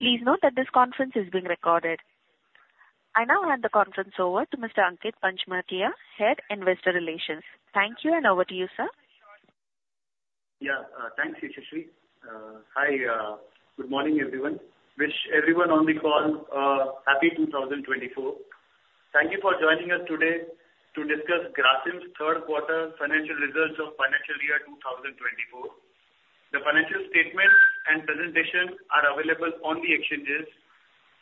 Please note that this conference is being recorded. I now hand the conference over to Mr. Ankit Panchmatia, Head Investor Relations. Thank you, and over to you, sir. Yeah, thanks, Ashish. Hi, good morning, everyone. Wish everyone on the call Happy 2024. Thank you for joining us today to discuss Grasim's Third Quarter financial results of financial year 2024. The financial statements and presentation are available on the exchanges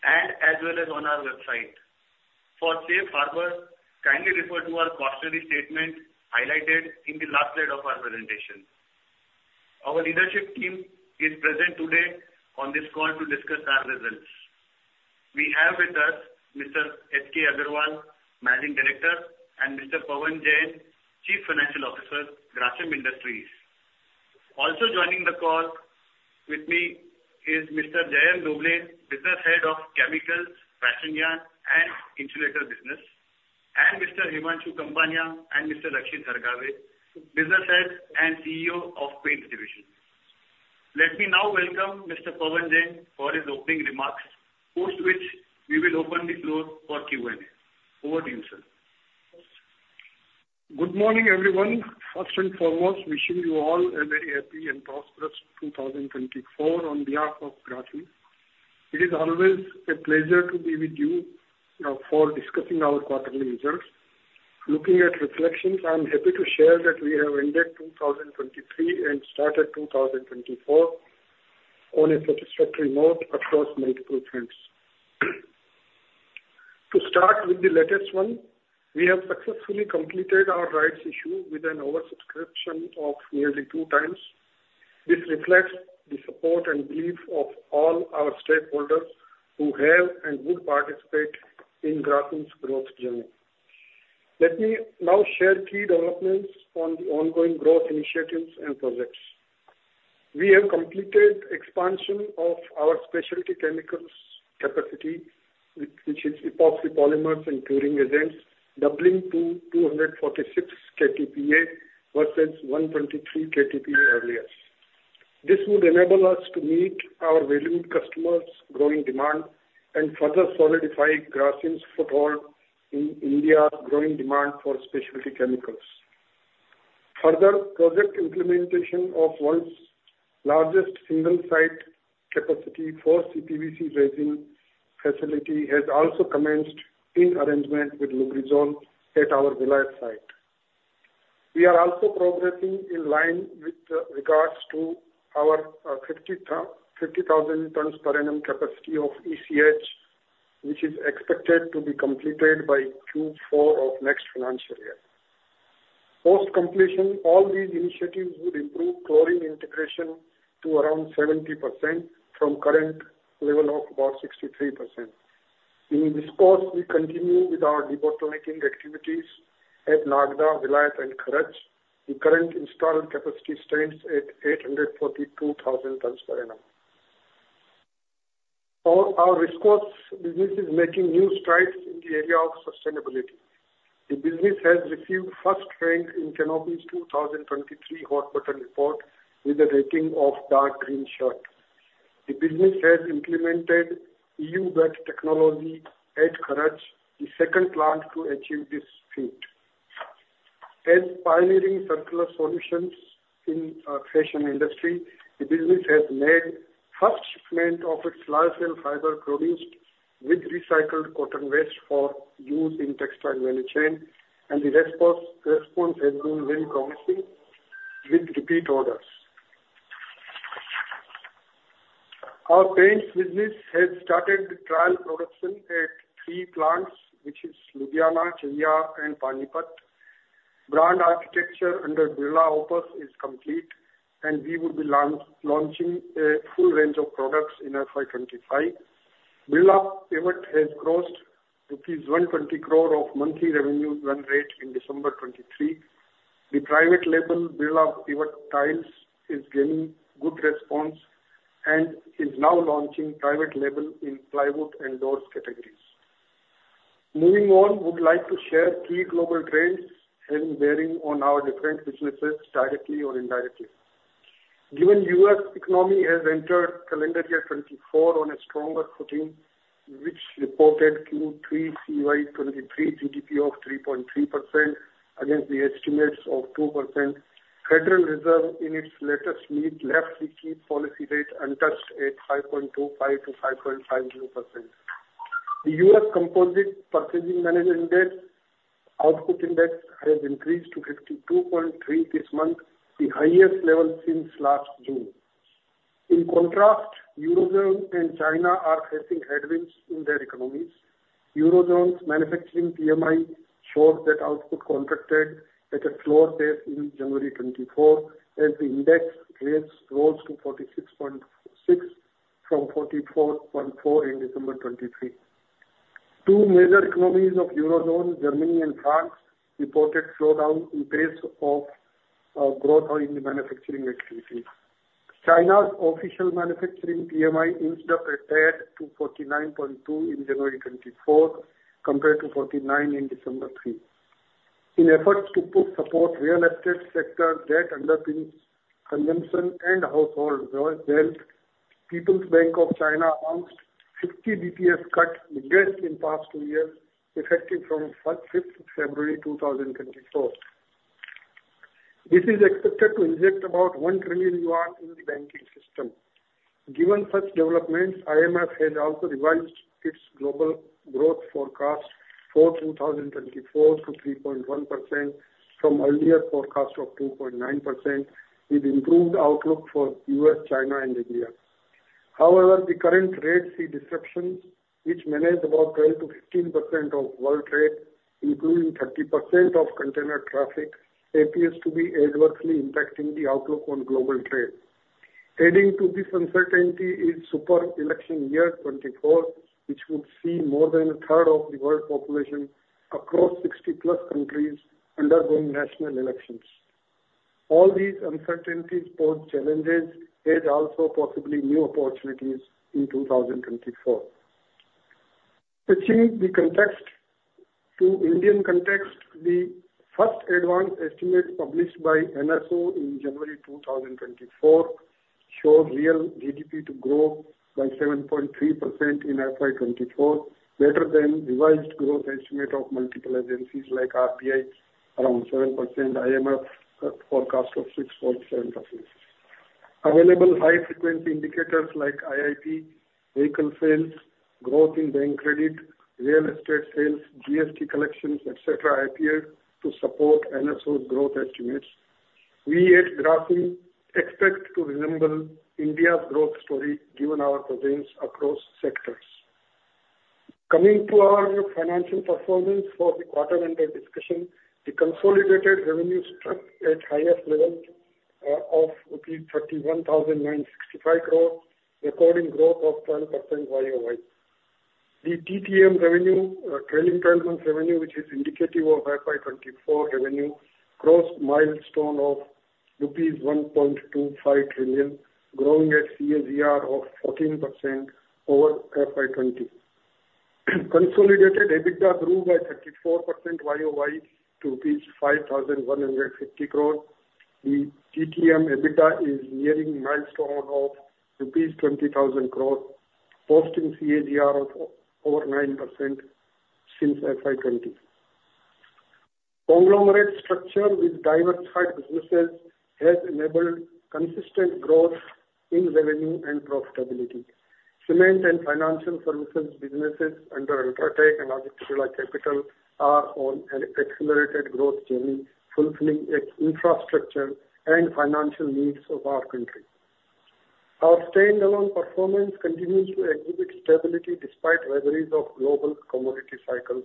and as well as on our website. For Safe Harbor, kindly refer to our cautionary statement highlighted in the last slide of our presentation. Our leadership team is present today on this call to discuss our results. We have with us Mr. H. K. Agarwal, Managing Director, and Mr. Pavan Jain, Chief Financial Officer, Grasim Industries. Also joining the call with me is Mr. Jayant V. Dhobley, Business Head of Chemicals, Fashion Yarn and Insulators Business, and Mr. Himanshu Kapania and Mr. Rakshit Hargave, Business Head and CEO of Paints Division. Let me now welcome Mr. Pavan Jain for his opening remarks, after which we will open the floor for Q&A. Over to you, sir. Good morning, everyone. First and foremost, wishing you all a very happy and prosperous 2024 on behalf of Grasim. It is always a pleasure to be with you, for discussing our quarterly results. Looking at reflections, I'm happy to share that we have ended 2023 and started 2024 on a satisfactory note across multiple fronts. To start with the latest one, we have successfully completed our rights issue with an oversubscription of nearly two times. This reflects the support and belief of all our stakeholders who have and would participate in Grasim's growth journey. Let me now share key developments on the ongoing growth initiatives and projects. We have completed expansion of our specialty chemicals capacity, which is epoxy polymers and curing agents, doubling to 246 KTPA versus 123 KTPA earlier. This would enable us to meet our valued customers' growing demand and further solidify Grasim's foothold in India's growing demand for specialty chemicals. Further project implementation of India's largest single-site capacity for CPVC resin facility has also commenced in arrangement with Lubrizol at our Vilayat site. We are also progressing in line with regards to our 50,000 tons per annum capacity of ECH, which is expected to be completed by Q4 of next financial year. Post completion, all these initiatives would improve chlorine integration to around 70% from current level of about 63%. In this course, we continue with our debottlenecking activities at Nagda, Vilayat, and Kharach. The current installed capacity stands at 842,000 tons per annum. For our VSF business, it is making new strides in the area of sustainability. The business has received first rank in Canopy's 2023 Hot Button Report with a rating of Dark Green Shirt. The business has implemented EU BAT technology at Kharach, the second plant to achieve this feat. As pioneering circular solutions in the fashion industry, the business has made first shipment of its lyocell fiber produced with recycled cotton waste for use in textile value chain, and the response has been very promising with repeat orders. Our Paints business has started trial production at three plants, which is Ludhiana, Cheyyar, and Panipat. Brand architecture under Birla Opus is complete, and we would be launching a full range of products in FY 2025. Birla Pivot has grossed rupees 120 crore of monthly revenue run rate in December 2023. The private label Birla Pivot Tiles is gaining good response and is now launching private label in plywood and doors categories. Moving on, I would like to share key global trends having a bearing on our different businesses directly or indirectly. Given the U.S. economy has entered calendar year 2024 on a stronger footing, which reported Q3 CY 2023 GDP of 3.3% against the estimates of 2%. Federal Reserve, in its latest meeting, left the key policy rate untouched at 5.25%-5.50%. The U.S. Composite Purchasing Managers' Index output index has increased to 52.3% this month, the highest level since last June. In contrast, Eurozone and China are facing headwinds in their economies. Eurozone's manufacturing PMI showed that output contracted at a slower pace in January 2024, as the index rose to 46.6% from 44.4% in December 2023. Two major economies of Eurozone, Germany and France, reported slowdown in pace of growth in the manufacturing activity. China's official manufacturing PMI instead registered 49.2% in January 2024 compared to 49% in December 2023. In efforts to support real estate sector debt underpins consumption and household wealth, People's Bank of China announced a 50 basis points cut, the greatest in the past two years, effective from 5 February 2024. This is expected to inject about 1 trillion yuan in the banking system. Given such developments, IMF has also revised its global growth forecast for 2024 to 3.1% from earlier forecasts of 2.9%, with improved outlook for the U.S., China, and India. However, the current Red Sea disruptions, which manage about 12%-15% of world trade, including 30% of container traffic, appears to be adversely impacting the outlook on global trade. Adding to this uncertainty is the super election year 2024, which would see more than a third of the world population across 60+ countries undergoing national elections. All these uncertainties pose challenges and also possibly new opportunities in 2024. Switching the context to the Indian context, the first advanced estimates published by NSO in January 2024 showed real GDP to grow by 7.3% in FY 2024, better than the revised growth estimate of multiple agencies like RBI, around 7%, and IMF's forecast of 6.7%. Available high-frequency indicators like IIP, vehicle sales, growth in bank credit, real estate sales, GST collections, etc., appear to support NSO's growth estimates. We at Grasim expect to resemble India's growth story given our presence across sectors. Coming to our financial performance for the quarter under discussion, the consolidated revenue struck at the highest level, of rupees 31,965 crore, recording growth of 12% YoY. The TTM revenue, trailing 12 months revenue, which is indicative of FY 2024 revenue, grossed a milestone of rupees 1.25 trillion, growing at a CAGR of 14% over FY 2020. Consolidated EBITDA grew by 34% YoY to 5,150 crore. The TTM EBITDA is nearing a milestone of rupees 20,000 crore, posting a CAGR of over 9% since FY 2020. Conglomerate structure with diversified businesses has enabled consistent growth in revenue and profitability. Cement and financial services businesses under UltraTech and Aditya Birla Capital are on an accelerated growth journey, fulfilling the infrastructure and financial needs of our country. Our standalone performance continues to exhibit stability despite vagaries of global commodity cycles.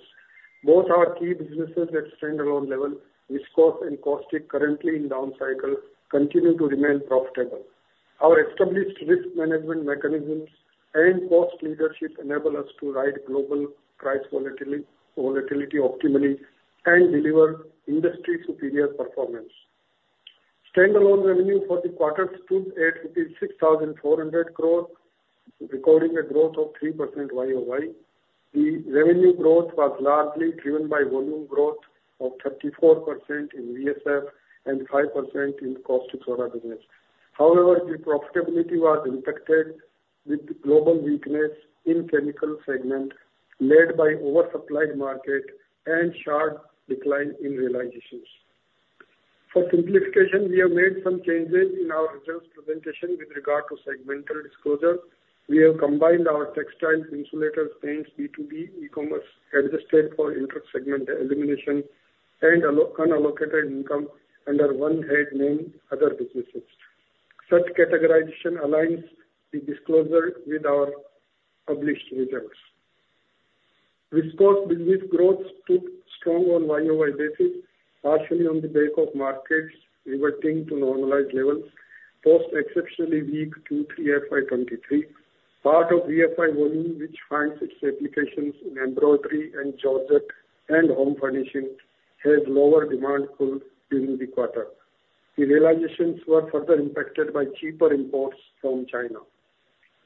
Both our key businesses at standalone level, VSF and Caustic, currently in down cycle, continue to remain profitable. Our established risk management mechanisms and cost leadership enable us to ride global price volatility optimally and deliver industry-superior performance. Standalone revenue for the quarter stood at 6,400 crore rupees, recording a growth of 3% YOY. The revenue growth was largely driven by volume growth of 34% in VSF and 5% in Caustic Soda business. However, the profitability was impacted with global weakness in the chemical segment, led by an oversupplied market and a sharp decline in realizations. For simplification, we have made some changes in our results presentation with regard to segmental disclosure. We have combined our textiles, insulators, paints, B2B e-commerce adjusted for inter-segment elimination, and unallocated income under one head named "Other Businesses." Such categorization aligns the disclosure with our published results. VSF business growth stood strong on a YoY basis, partially on the back of markets reverting to normalized levels post the exceptionally weak Q3 FY 2023. Part of VFY volume, which finds its applications in embroidery and georgette and home furnishings, has lower demand pull during the quarter. The realizations were further impacted by cheaper imports from China.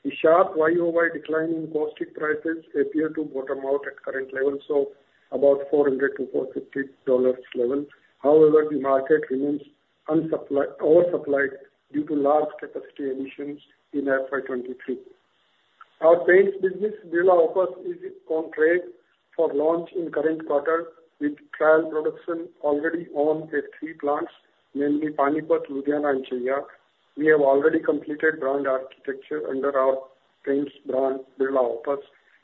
The sharp YOY decline in VSF prices appeared to bottom out at current levels of about $400-$450 level. However, the market remains oversupplied due to large capacity additions in FY 2023. Our paints business, Birla Opus, is on track for launch in the current quarter, with trial production already on at three plants, namely Panipat, Ludhiana, and Cheyyar. We have already completed brand architecture under our paints brand, Birla Opus.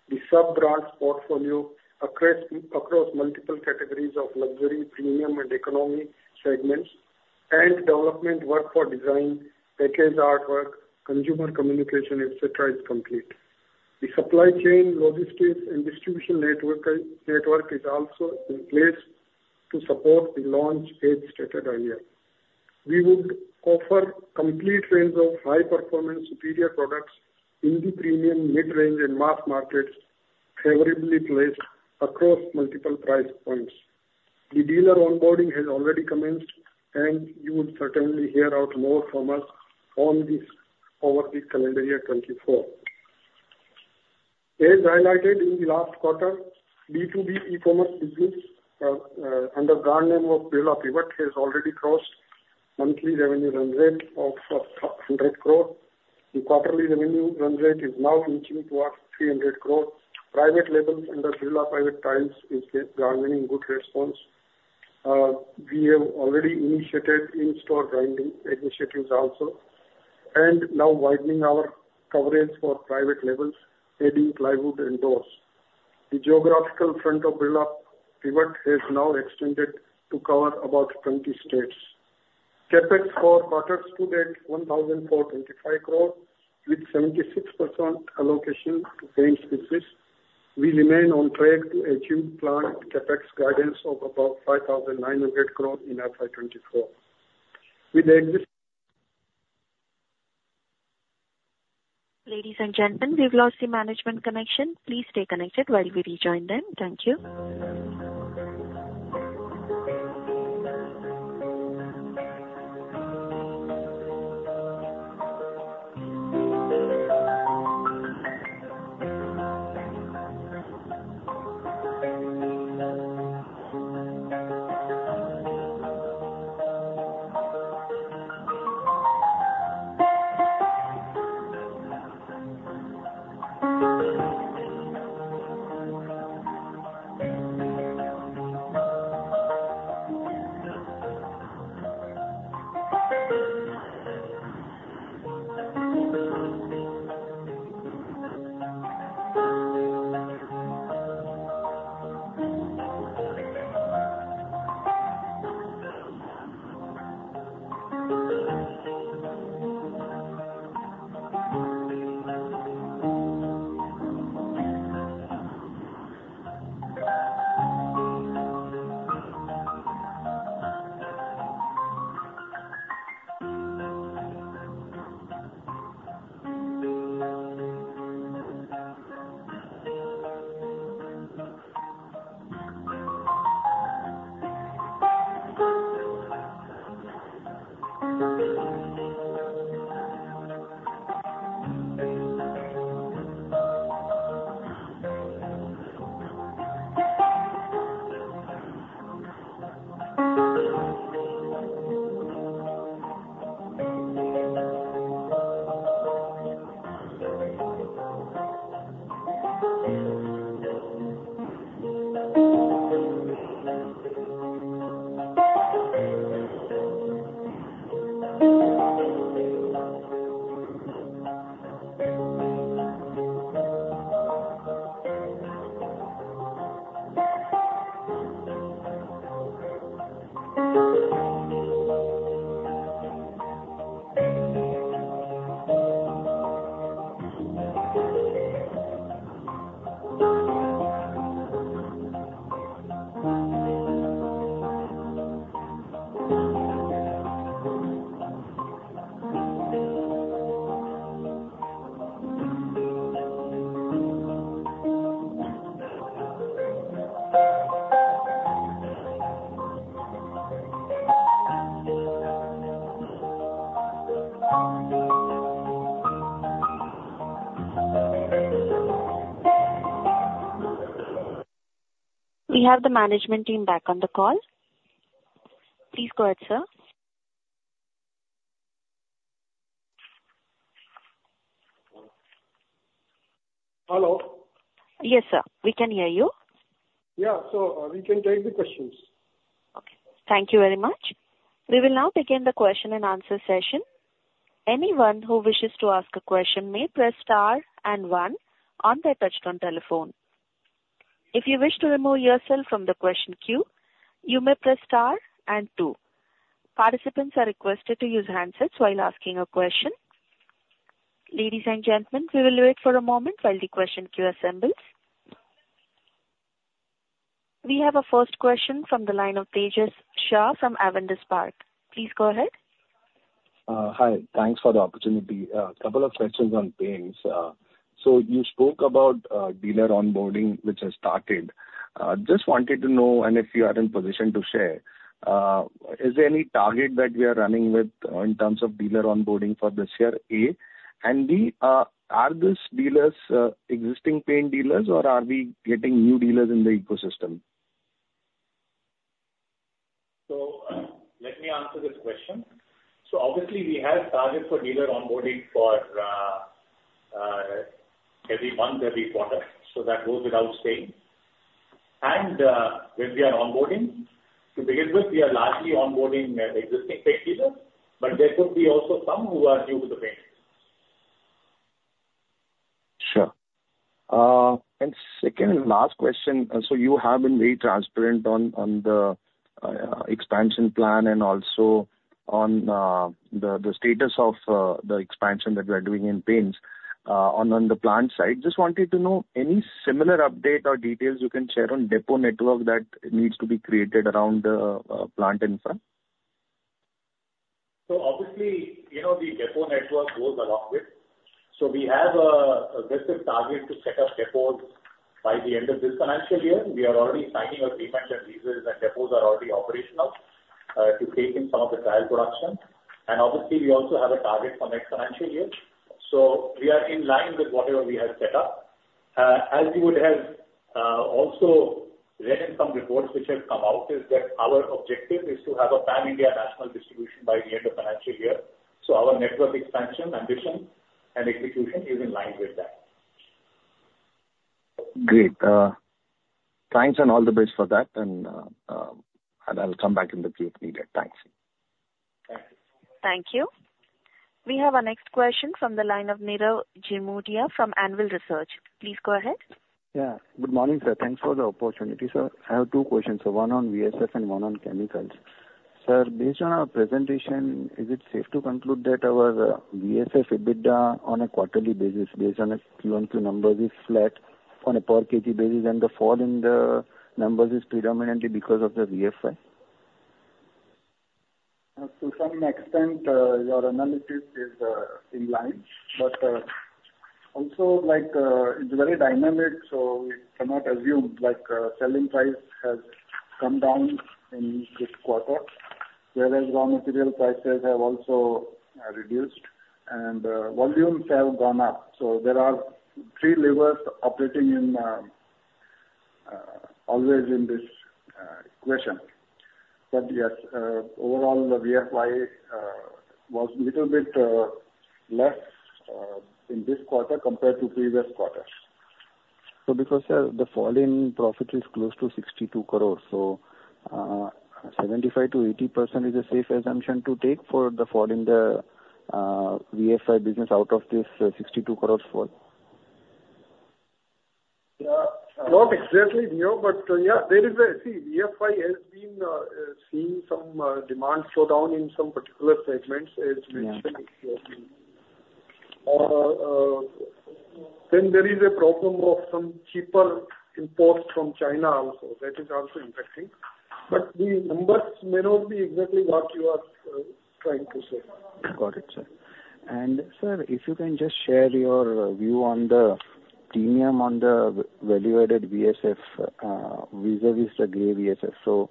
The sub-brand portfolio across multiple categories of luxury, premium, and economy segments, and development work for design, packaging artwork, consumer communication, etc., is complete. The supply chain, logistics, and distribution network is also in place to support the launch as stated earlier. We would offer a complete range of high-performance superior products in the premium, mid-range, and mass markets, favorably placed across multiple price points. The dealer onboarding has already commenced, and you would certainly hear more from us over the calendar year 2024. As highlighted in the last quarter, the B2B e-commerce business under the brand name of Birla Pivot has already crossed a monthly revenue run rate of 100 crore. The quarterly revenue run rate is now inching towards 300 crore. Private labels under Birla Pivot Tiles are garnering a good response. We have already initiated in-store branding initiatives also, and now widening our coverage for private labels, adding plywood and doors. The geographical front of Birla Pivot has now extended to cover about 20 states. CapEx for quarters to date is 1,425 crore, with 76% allocation to paints business. We remain on track to achieve plant CapEx guidance of about 5,900 crore in FY 2024. With the existing. Ladies and gentlemen, we've lost the management connection. Please stay connected while we rejoin them. Thank you. We have the management team back on the call. Please go ahead, sir. Hello? Yes, sir. We can hear you. Yeah. So, we can take the questions. Okay. Thank you very much. We will now begin the question-and-answer session. Anyone who wishes to ask a question may press star and one on their touchscreen telephone. If you wish to remove yourself from the question queue, you may press star and two. Participants are requested to use handsets while asking a question. Ladies and gentlemen, we will wait for a moment while the question queue assembles. We have a first question from the line of Tejas Shah from Avendus Spark. Please go ahead. Hi. Thanks for the opportunity. A couple of questions on paints. You spoke about dealer onboarding, which has started. Just wanted to know, and if you are in position to share, is there any target that we are running with, in terms of dealer onboarding for this year? A and B, are these dealers existing paint dealers, or are we getting new dealers in the ecosystem? Let me answer this question. Obviously, we have targets for dealer onboarding for every month, every quarter. That goes without saying. When we are onboarding, to begin with, we are largely onboarding existing paint dealers, but there could be also some who are new to the paint. Sure. Second and last question, so you have been very transparent on the expansion plan and also on the status of the expansion that we are doing in paints, on the plant side. Just wanted to know any similar update or details you can share on the depot network that needs to be created around the plant infra? Obviously, you know, the depot network goes along with. We have an aggressive target to set up depots by the end of this financial year. We are already signing agreements and leases, and depots are already operational to take in some of the trial production. Obviously, we also have a target for next financial year. We are in line with whatever we have set up. As you would have also read in some reports which have come out, our objective is to have a pan-India national distribution by the end of financial year. Our network expansion ambition and execution is in line with that. Great. Thanks and all the best for that. I'll come back in the queue if needed. Thanks. Thank you. Thank you. We have a next question from the line of Nirav Jimudia from Anvil Research. Please go ahead. Yeah. Good morning, sir. Thanks for the opportunity, sir. I have two questions. One on VSF and one on chemicals. Sir, based on our presentation, is it safe to conclude that our VSF EBITDA on a quarterly basis, based on the Q1 FY numbers, is flat on a per-kg basis, and the fall in the numbers is predominantly because of the VFY? To some extent, your analysis is in line. Also, like, it's very dynamic, so we cannot assume, like, selling price has come down in this quarter, whereas raw material prices have also reduced, and volumes have gone up. There are three levers operating in always in this equation. Yes, overall, the VFY was a little bit less in this quarter compared to previous quarters. Because, sir, the fall in profit is close to 62 crore, so, 75%-80% is a safe assumption to take for the fall in the VFY business out of this 62 crore fall? Yeah. Not exactly, Nirav, but, yeah, there is a see, VFY has been seeing some demand slowdown in some particular segments, as mentioned. Yeah. Then there is a problem of some cheaper imports from China also. That is also impacting. The numbers may not be exactly what you are trying to say. Got it, sir. Sir, if you can just share your view on the premium on the value-added VSF, vis-à-vis the gray VSF.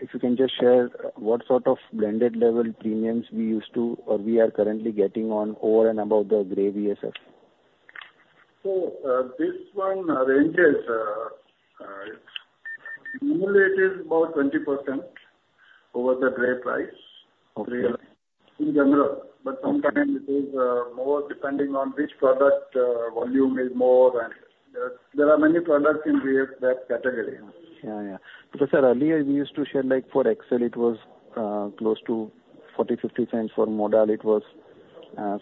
if you can just share what sort of blended-level premiums we used to or we are currently getting on over and above the gray VSF? This one ranges; it's estimated about 20% over the gray price. Okay. VSF in general. Sometimes it is more depending on which product volume is more. There are many products in VSF category. Yeah, yeah. Because sir, earlier we used to share like for Excel it was close to $0.40-$0.50. For Modal it was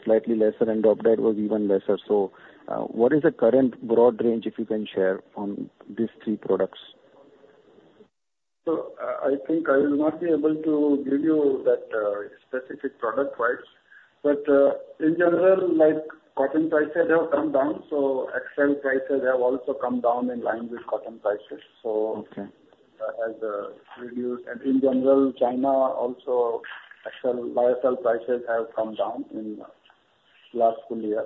slightly lesser and standard was even lesser. what is the current broad range if you can share on these three products? I think, I will not be able to give you that specific product price. In general like cotton prices have come down so Excel prices have also come down in line with cotton prices has reduced and in general, in China also Excel VSF prices have come down in the last full year.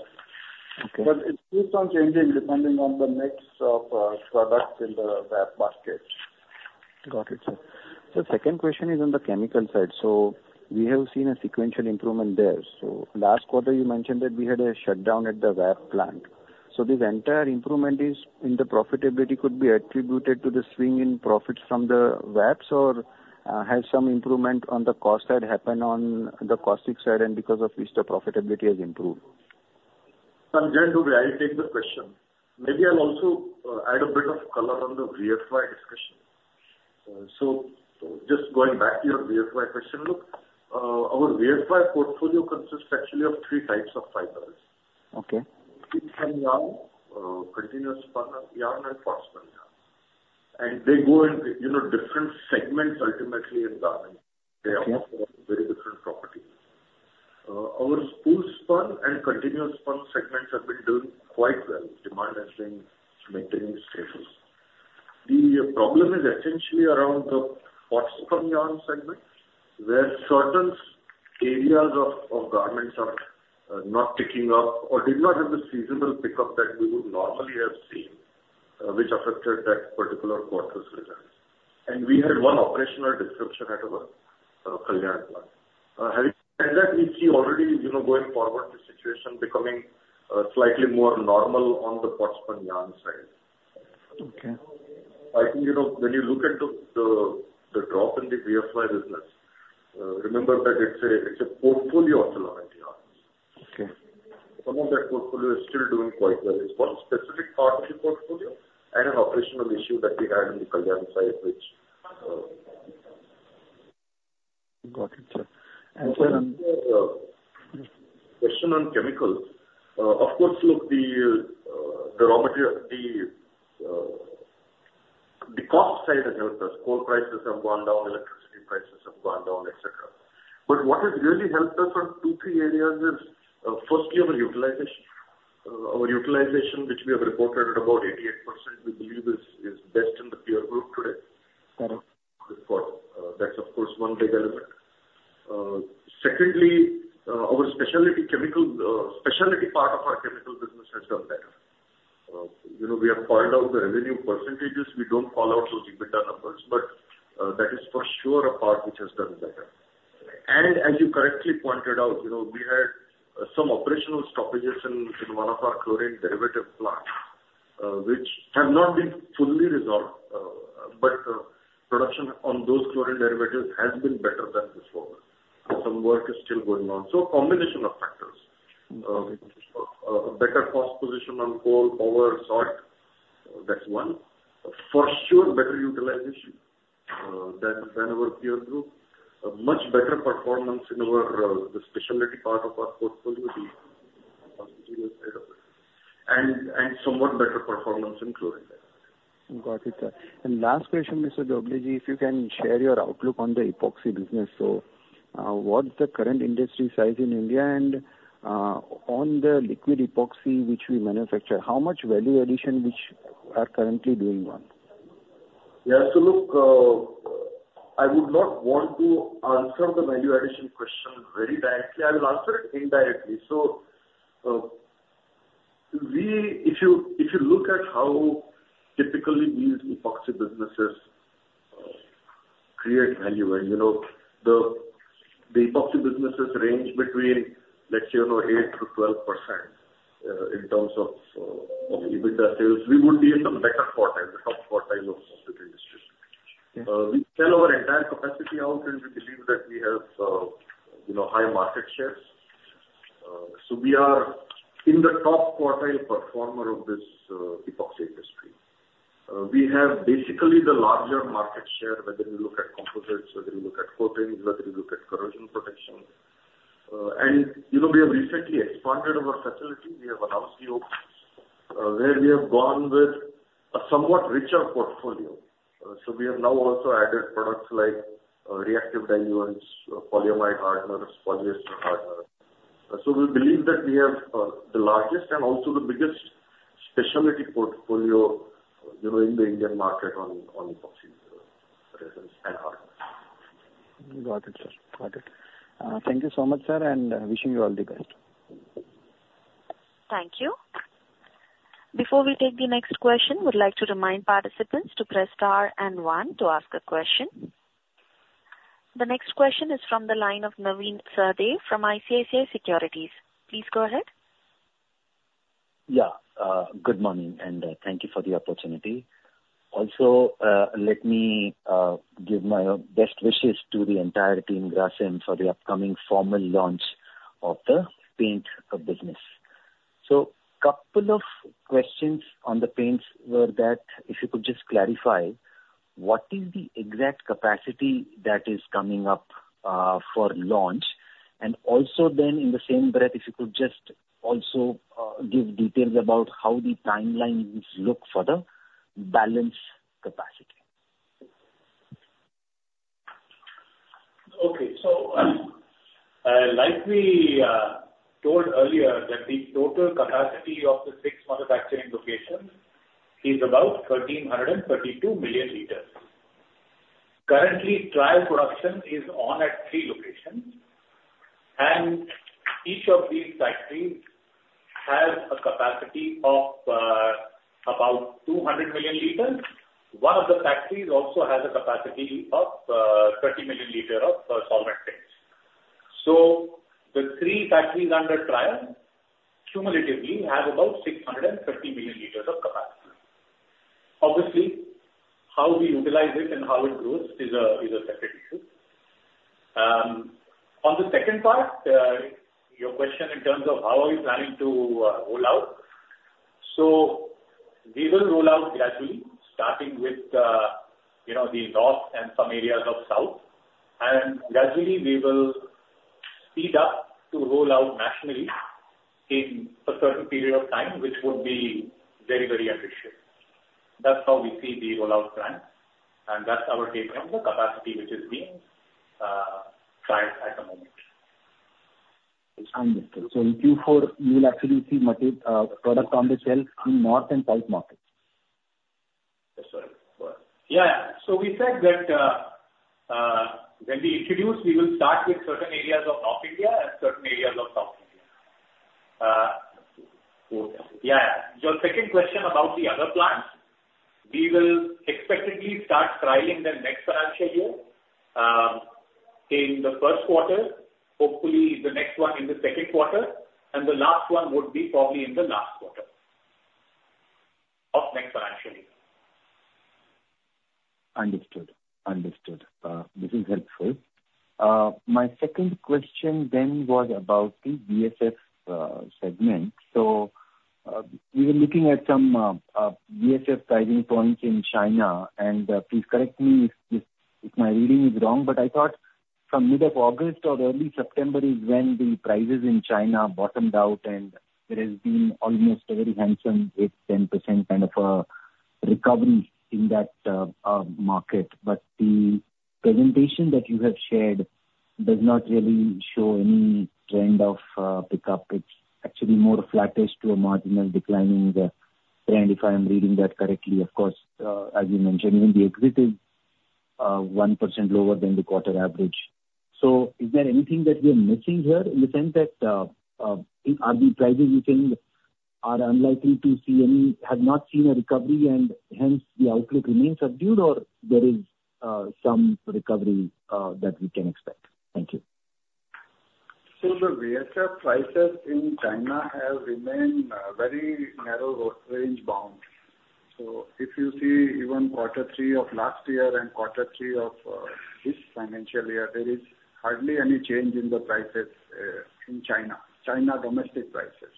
It keeps on changing depending on the mix of products in the VAP basket. Got it sir. The second question is on the chemical side. We have seen a sequential improvement there. Last quarter, you mentioned that we had a shutdown at the VAP plant. This entire improvement in the profitability could be attributed to the swing in profits from the VAPs, or, has some improvement on the cost side happened on the caustic side and because of which the profitability has improved? Jayant Dhobley, I'll take the question. Maybe I'll also add a bit of color on the VFY discussion. Just going back to your VFY question, look, our VFY portfolio consists actually of three types of fibers. Okay. Spool spun yarn, Continuous spun yarn, and Pot spun yarn. They go in, you know, different segments ultimately in garment. They offer very different properties. Our Spool spun and Continuous spun segments have been doing quite well. Demand has been maintaining stable. The problem is essentially around the VSF Spun yarn segment, where certain areas of garments are not picking up or did not have the seasonal pickup that we would normally have seen, which affected that particular quarter's results. We had one operational disruption at our Kalyan plant. Having said that, we see already, you know, going forward, the situation becoming slightly more normal on the VSF Spun yarn side. Okay. I think, you know, when you look at the drop in the VFY business, remember that it's a portfolio of filament yarns. Okay. Some of that portfolio is still doing quite well. It's one specific part of the portfolio and an operational issue that we had in the Kalyan site, which. Got it, sir, and, sir, on. The question on chemicals, of course, look, the raw material, the cost side has helped us. Coal prices have gone down. Electricity prices have gone down, etc. What has really helped us on two, three areas is, firstly, our utilization, which we have reported at about 88%, we believe, is best in the peer group today. That's what, of course, one big element. Secondly, our specialty chemical part of our chemical business has done better. You know, we have called out the revenue percentages. We don't call out those EBITDA numbers, but, that is for sure a part which has done better. As you correctly pointed out, you know, we had some operational stoppages in one of our chlorine derivative plants, which have not been fully resolved, but production on those chlorine derivatives has been better than before. Some work is still going on. A combination of factors. A better cost position on coal, power, salt, that's one. For sure, better utilization than our peer group. Much better performance in our, the specialty part of our portfolio, the material side of it. Somewhat better performance in chlorine derivatives. Got it, sir. Last question, Mr. Dhobley, if you can share your outlook on the epoxy business. What's the current industry size in India? On the liquid epoxy which we manufacture, how much value addition which are currently doing on? Yeah. Look, I would not want to answer the value addition question very directly. I will answer it indirectly. If you look at how typically these epoxy businesses create value, and, you know, the epoxy businesses range between, let's say, you know, 8%-12%, in terms of EBITDA sales, we would be in the better quarter, the top quarter of the industry. We sell our entire capacity out, and we believe that we have, you know, high market shares. We are in the top quartile performer of this epoxy industry. We have basically the larger market share, whether you look at composites, whether you look at coatings, whether you look at corrosion protection. You know, we have recently expanded our facility. We have announced the openings, where we have gone with a somewhat richer portfolio. We have now also added products like reactive diluents, polyamide hardeners, polyester hardeners. We believe that we have the largest and also the biggest specialty portfolio, you know, in the Indian market on epoxy resins and hardeners. Got it, sir. Got it. Thank you so much, sir, and wishing you all the best. Thank you. Before we take the next question, would like to remind participants to press star and one to ask a question. The next question is from the line of Navin Sahadeo from ICICI Securities. Please go ahead. Yeah. Good morning, and thank you for the opportunity. Also, let me give my best wishes to the entire team Grasim for the upcoming formal launch of the paints business. A couple of questions on the paints were that if you could just clarify what is the exact capacity that is coming up for launch? In the same breath, if you could just also give details about how the timelines look for the balanced capacity? Okay. Like we told earlier, that the total capacity of the six manufacturing locations is about 1,332 million liters. Currently, trial production is on at three locations. Each of these factories has a capacity of about 200 million L. One of the factories also has a capacity of 30 million L of solvent paints. The three factories under trial, cumulatively, have about 630 million L of capacity. Obviously, how we utilize it and how it grows is a separate issue. On the second part, your question in terms of how we are planning to roll out? We will roll out gradually, starting with, you know, the north and some areas of south. Gradually, we will speed up to roll out nationally in a certain period of time, which would be very, very appreciated. That's how we see the rollout plan. That's our take on the capacity which is being tried at the moment. I understand. In Q4, you will actually see material product on the shelf in north and south markets? Yes, sir. Yeah, yeah. We said that, when we introduce, we will start with certain areas of North India and certain areas of South India. Yeah, yeah. Your second question about the other plants, we will expectedly start trialing them next financial year, in the first quarter, hopefully the next one in the second quarter. The last one would be probably in the last quarter of next financial year. Understood. Understood. This is helpful. My second question then was about the VSF segment. We were looking at some VSF pricing points in China. Please correct me if my reading is wrong, but I thought from mid of August or early September is when the prices in China bottomed out, and there has been almost a very handsome 8%-10% kind of a recovery in that market. The presentation that you have shared does not really show any trend of pickup. It's actually more flattish to a marginal declining trend, if I am reading that correctly. Of course, as you mentioned, even the exit is 1% lower than the quarter average. Is there anything that we are missing here in the sense that are the prices, you think, are unlikely to see any have not seen a recovery, and hence the outlook remains subdued, or there is some recovery that we can expect? Thank you. The VFY prices in China have remained very narrow range bound. If you see even quarter three of last year and quarter three of this financial year, there is hardly any change in the prices in China, China domestic prices.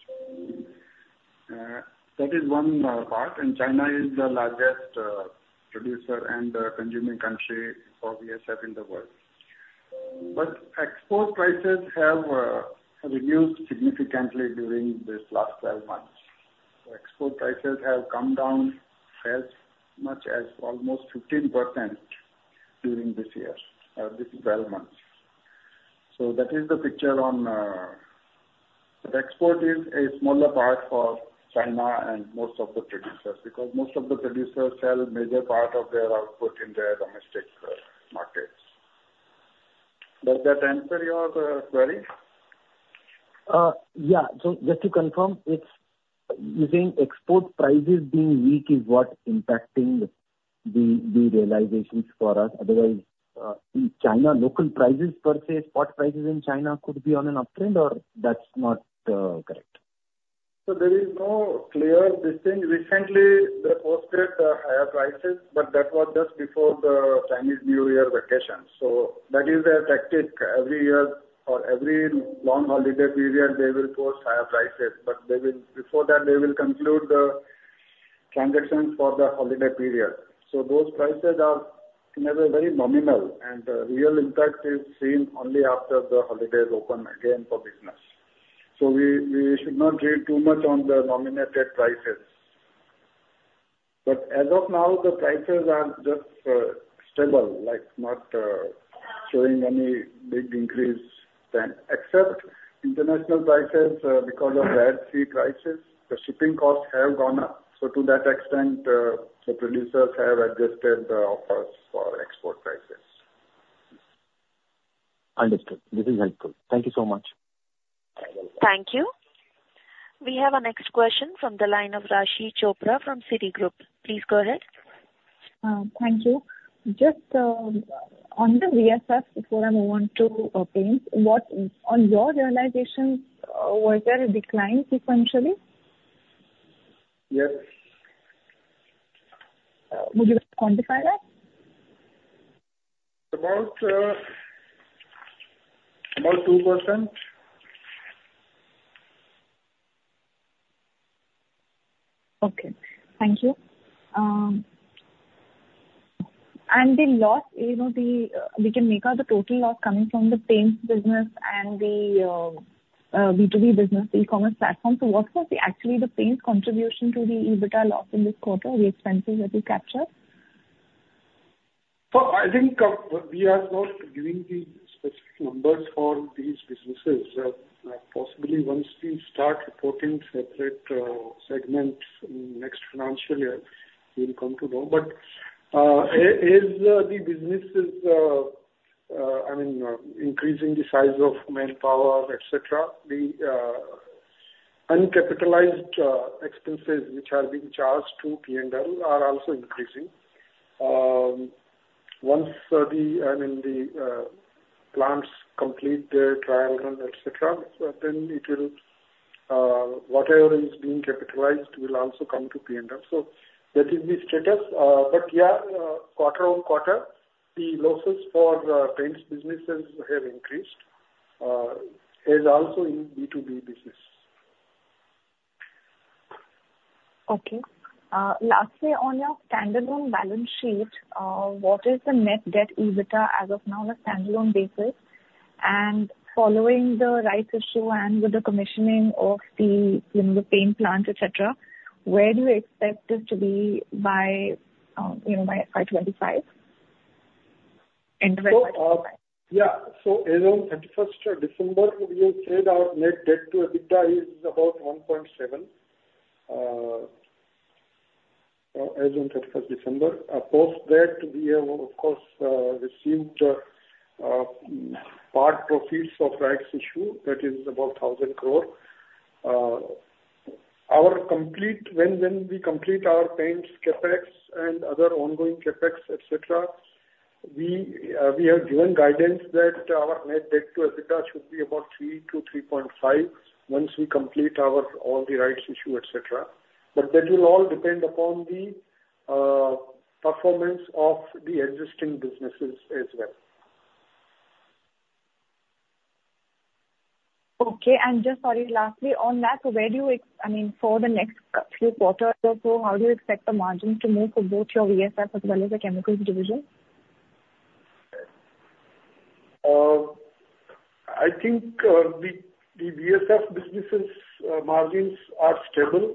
That is one part. And China is the largest producer and consuming country for VFY in the world. Export prices have reduced significantly during this last 12 months. Export prices have come down as much as almost 15% during this year, these 12 months. That is the picture on, but export is a smaller part for China and most of the producers because most of the producers sell major part of their output in their domestic markets. Does that answer your query? Yeah. Just to confirm, it's using export prices being weak is what's impacting the realizations for us. Otherwise, in China, local prices per se, spot prices in China could be on an uptrend, or that's not correct? There is no clear distinction. Recently, they posted higher prices, but that was just before the Chinese New Year vacation. That is their tactic. Every year or every long holiday period, they will post higher prices. They will before that, they will conclude the transactions for the holiday period. Those prices are never very nominal. The real impact is seen only after the holidays open again for business. We, we should not read too much on the nominal prices. As of now, the prices are just stable, like not showing any big increase trend except international prices, because of Red Sea prices. The shipping costs have gone up. To that extent, the producers have adjusted the offers for export prices. Understood. This is helpful. Thank you so much. Thank you. We have a next question from the line of Raashi Chopra from Citigroup. Please go ahead. Thank you. Just on the VSF, before I move on to paints, what about your realizations, was there a decline essentially? Yes. Would you quantify that? About 2%. Okay. Thank you. The loss, you know, we can make out the total loss coming from the paints business and the B2B business, the e-commerce platform. What was actually the paints contribution to the EBITDA loss in this quarter, the expenses that you captured? I think we are not giving the specific numbers for these businesses. Possibly once we start reporting separate segments in next financial year, we'll come to know. Ss the businesses, I mean, increasing the size of manpower, etc., the uncapitalized expenses which are being charged to P&L are also increasing. Once, I mean, the plants complete their trial run, etc., then whatever is being capitalized will also come to P&L. That is the status. Yeah, quarter-on-quarter, the losses for paints businesses have increased, as also in B2B business. Okay. Lastly, on your standalone balance sheet, what is the net debt EBITDA as of now on a standalone basis? Following the rights issue and with the commissioning of the, you know, the paint plant, etc., where do you expect this to be by, you know, by 2025? End of 2025. Yeah. As on 31st of December, we have said our net debt to EBITDA is about 1.7, as on 31st December. Post that, we have, of course, received part proceeds of rights issue. That is about 1,000 crore. Once we complete our paints CapEx and other ongoing CapEx, etc., we have given guidance that our net debt to EBITDA should be about 3-3.5 once we complete our all the rights issue, etc. That will all depend upon the performance of the existing businesses as well. Okay. Just, sorry, lastly, on that, where do you expect, I mean, for the next few quarters or so, how do you expect the margins to move for both your VFY as well as the chemicals division? I think the VFY business's margins are stable.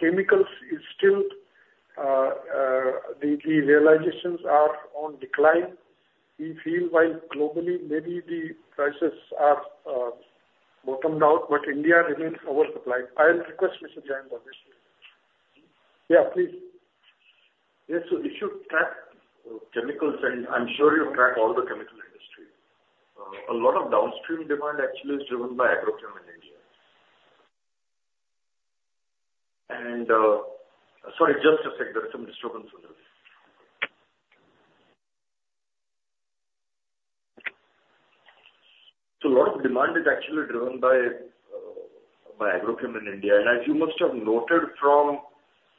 chemicals is still the realizations are on decline. We feel while globally, maybe the prices are bottomed out, but India remains oversupplied. I'll request Mr. Jayant Dhobley to address this. Yeah, please. Yes. If you track chemicals and I'm sure you track all the chemical industry. A lot of downstream demand actually is driven by agrochem in India. Ssorry, just a sec. There is some disturbance on the line. A lot of demand is actually driven by agrochem in India. As you must have noted from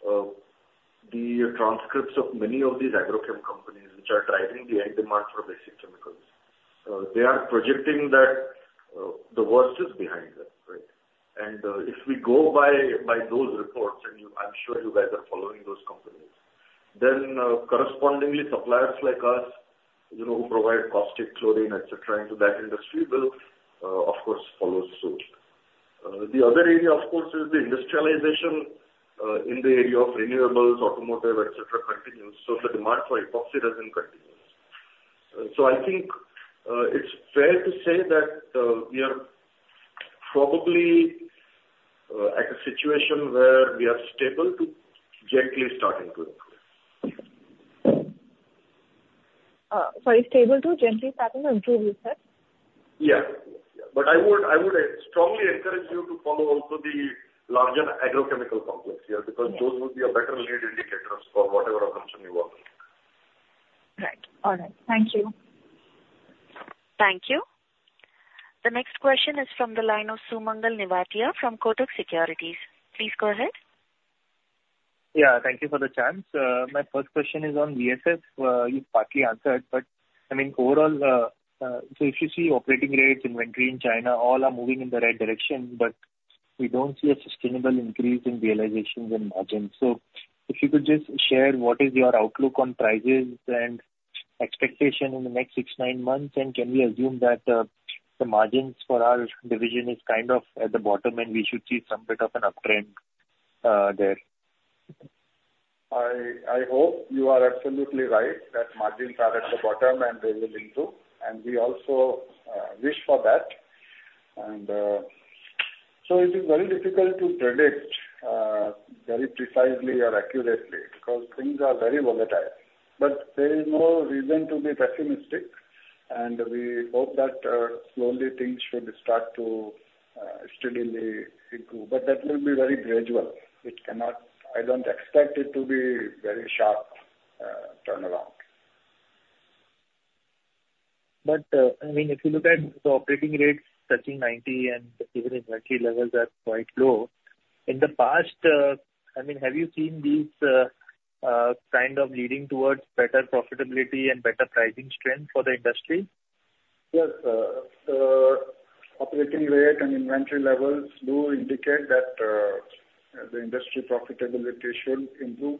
the transcripts of many of these agrochem companies which are driving the end demand for basic chemicals, they are projecting that the worst is behind them, right? If we go by those reports and you I'm sure you guys are following those companies, then correspondingly suppliers like us, you know, who provide caustic chlorine, etc., into that industry will, of course, follow suit. The other area, of course, is the industrialization in the area of renewables, automotive, etc., continues. The demand for epoxy resin continues. I think it's fair to say that we are probably at a situation where we are stable to gently starting to improve. Sorry, stable to gently starting to improve, you said? Yeah. I would, I would strongly encourage you to follow also the larger agrochemical complex here because those would be a better lead indicators for whatever assumption you want to make. Right. All right. Thank you. Thank you. The next question is from the line of Sumangal Nevatia from Kotak Securities. Please go ahead. Yeah. Thank you for the chance. My first question is on VSF. You've partly answered. I mean, overall, so if you see operating rates, inventory in China, all are moving in the right direction. We don't see a sustainable increase in realizations and margins. If you could just share what is your outlook on prices and expectation in the next six, nine months, and can we assume that the margins for our division is kind of at the bottom, and we should see some bit of an uptrend there? I, I hope you are absolutely right that margins are at the bottom, and they will improve. We also wish for that. It is very difficult to predict very precisely or accurately because things are very volatile. There is no reason to be pessimistic. We hope that slowly things should start to steadily improve. That will be very gradual. It cannot. I don't expect it to be very sharp turnaround. I mean, if you look at the operating rates touching 90% and even inventory levels are quite low, in the past, I mean, have you seen these, kind of leading towards better profitability and better pricing strength for the industry? Yes. The operating rate and inventory levels do indicate that the industry profitability should improve.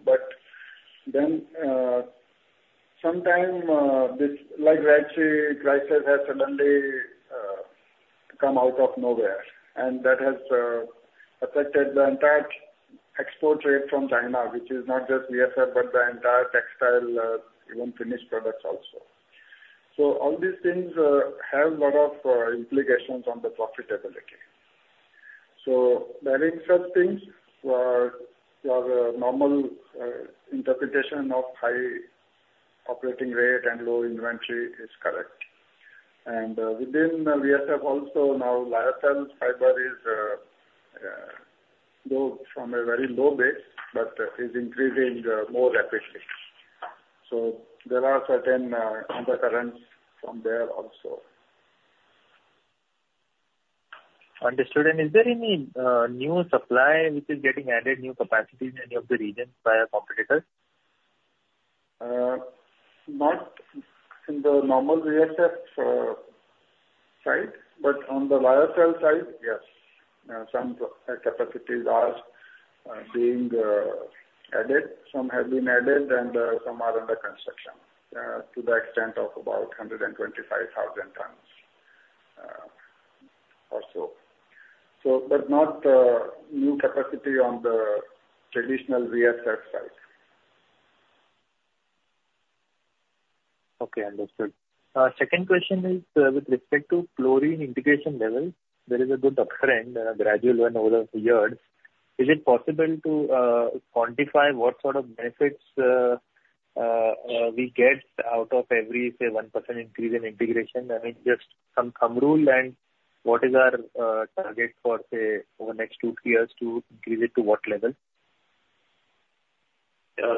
Then, sometime, this like Red Sea prices have suddenly come out of nowhere. That has affected the entire export rate from China, which is not just VSF but the entire textile, even finished products also. All these things have a lot of implications on the profitability. Bearing such things, your normal interpretation of high operating rate and low inventory is correct. Within VSF also, now lyocell fiber is goes from a very low base but is increasing more rapidly. There are certain undercurrents from there also. Understood. Is there any new supply which is getting added, new capacities in any of the regions by a competitor? Not in the normal VSF side. On the lyocell side, yes. Some capacities are being added. Some have been added, and some are under construction, to the extent of about 125,000 tons or so not new capacity on the traditional VSF side. Okay. Understood. Second question is, with respect to chlorine integration levels, there is a good uptrend and a gradual one over the years. Is it possible to quantify what sort of benefits we get out of every, say, 1% increase in integration? I mean, just some thumb rule and what is our target for, say, over the next two, three years to increase it to what level? Yeah.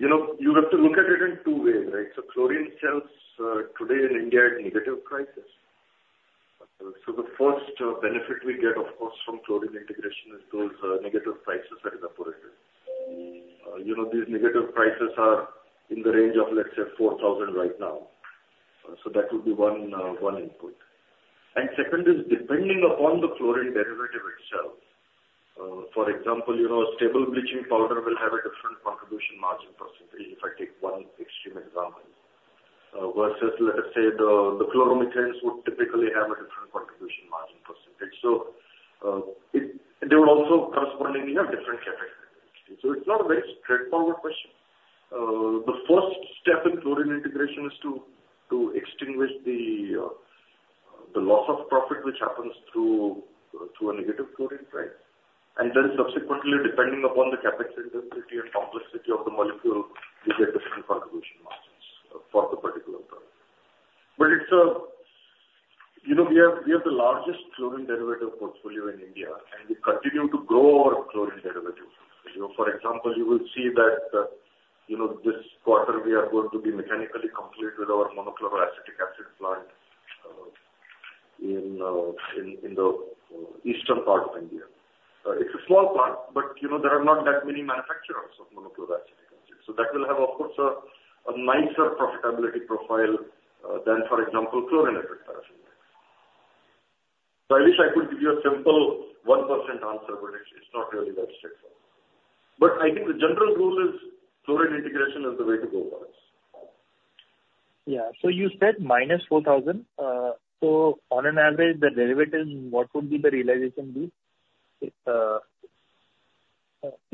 You know, you have to look at it in two ways, right? Chlorine cells, today in India, are at negative prices. The first benefit we get, of course, from chlorine integration is those negative prices that evaporated. You know, these negative prices are in the range of, let's say, -4,000 right now. That would be one, one input. Second is depending upon the chlorine derivative itself. For example, you know, a stable bleaching powder will have a different contribution margin percentage if I take one extreme example, versus, let us say, the chloromethanes would typically have a different contribution margin percentage. It they would also correspondingly, you know, different CapEx density. It's not a very straightforward question. The first step in chlorine integration is to extinguish the loss of profit which happens through a negative chlorine price. Then subsequently, depending upon the CapEx intensity and complexity of the molecule, we get different contribution margins for the particular product. It's a you know, we have we have the largest chlorine derivative portfolio in India. We continue to grow our chlorine derivative portfolio. For example, you will see that, you know, this quarter, we are going to be mechanically complete with our monochloroacetic acid plant in the eastern part of India. It's a small plant, but, you know, there are not that many manufacturers of monochloroacetic acid. That will have, of course, a nicer profitability profile than, for example, chlorinated paraffin wax. I wish I could give you a simple 1% answer, but it's not really that straightforward. I think the general rule is chlorine integration is the way to go for us. Yeah. You said -4,000. On an average, the derivative, what would be the realization be?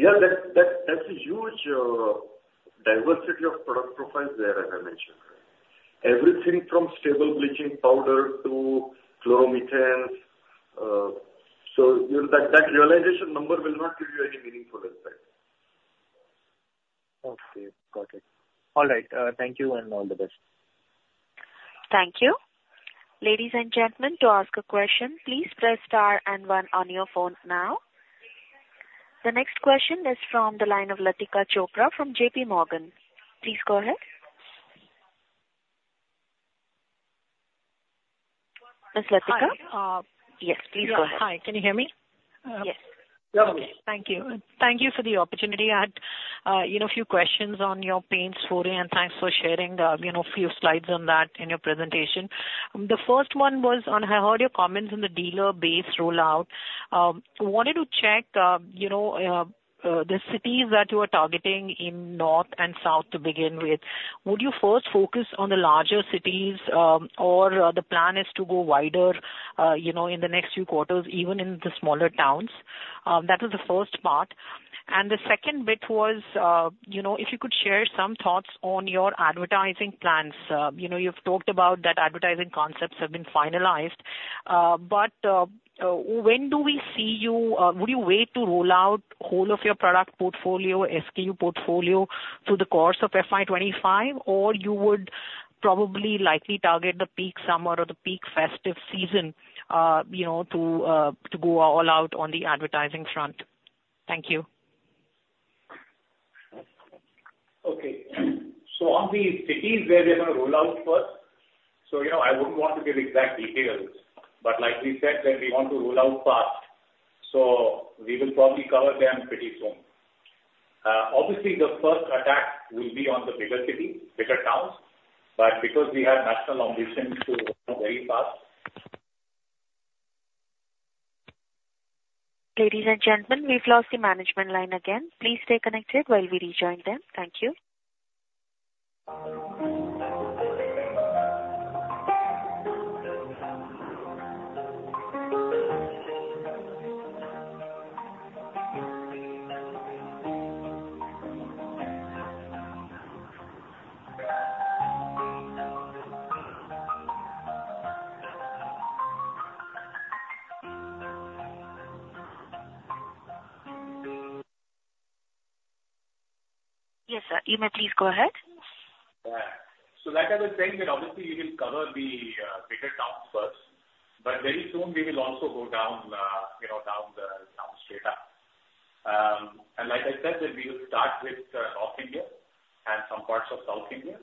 Yeah. That, that's a huge diversity of product profiles there, as I mentioned, right? Everything from stable bleaching powder to chloromethanes. You know, that realization number will not give you any meaningful insight. Okay. Got it. All right. Thank you, and all the best. Thank you. Ladies and gentlemen, to ask a question, please press star and one on your phone now. The next question is from the line of Latika Chopra from JPMorgan. Please go ahead. Ms. Latika? Hi. Yes. Please go ahead. Yeah. Hi. Can you hear me? Yes. Yeah. Okay. Thank you. Thank you for the opportunity. I had, you know, a few questions on your paints for you. Thanks for sharing, you know, a few slides on that in your presentation. The first one was on. I heard your comments on the dealer base rollout. Wanted to check, you know, the cities that you are targeting in North and South to begin with. Would you first focus on the larger cities, or the plan is to go wider, you know, in the next few quarters, even in the smaller towns? That was the first part. The second bit was, you know, if you could share some thoughts on your advertising plans. You know, you've talked about that advertising concepts have been finalized. When do we see you? Would you wait to roll out the whole of your product portfolio, SKU portfolio, through the course of FY 2025, or you would probably likely target the peak summer or the peak festive season, you know, to go all out on the advertising front? Thank you. Okay. On the cities where we're going to roll out first, so, you know, I wouldn't want to give exact details. Like we said, that we want to roll out fast. We will probably cover them pretty soon. Obviously, the first attack will be on the bigger cities, bigger towns. Because we have national ambitions to roll out very fast. Ladies and gentlemen, we've lost the management line again. Please stay connected while we rejoin them. Thank you. Yes, sir. You may please go ahead. Yeah. Like I was saying, that obviously, we will cover the bigger towns first. Very soon, we will also go down, you know, down the towns straight up. Like I said, that we will start with North India and some parts of South India,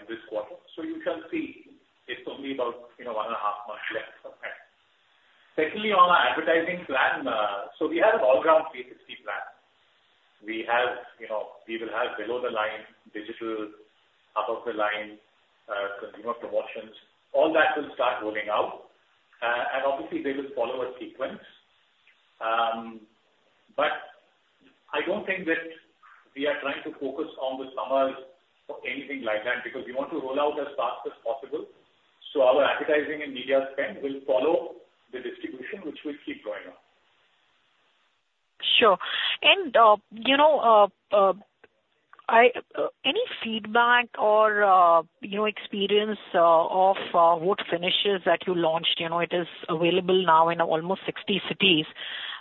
in this quarter. You shall see. It's only about, you know, 1.5 months left. Secondly, on our advertising plan, so we have an all-round 360 plan. We have, you know, we will have below-the-line digital, above-the-line, consumer promotions. All that will start rolling out. Obviously, they will follow a sequence. I don't think that we are trying to focus on the summers or anything like that because we want to roll out as fast as possible. Our advertising and media spend will follow the distribution, which will keep going on. Sure. You know, I any feedback or, you know, experience, of, wood finishes that you launched? You know, it is available now in almost 60 cities.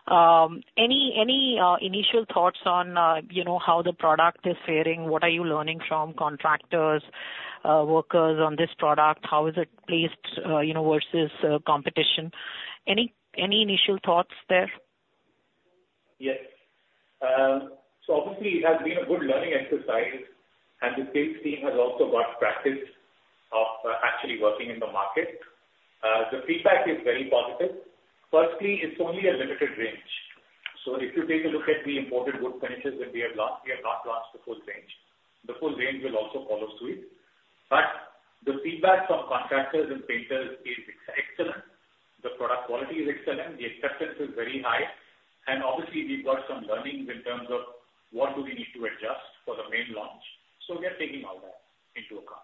Any initial thoughts on, you know, how the product is faring? What are you learning from contractors, workers on this product? How is it placed, you know, versus, competition? Any initial thoughts there? Yes. Obviously, it has been a good learning exercise. The sales team has also got practice of actually working in the market. The feedback is very positive. Firstly, it's only a limited range. If you take a look at the imported wood finishes that we have launched, we have not launched the full range. The full range will also follow suit. The feedback from contractors and painters is excellent. The product quality is excellent. The acceptance is very high. Obviously, we've got some learnings in terms of what do we need to adjust for the main launch. We are taking all that into account.